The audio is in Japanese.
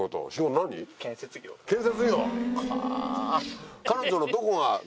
建設業。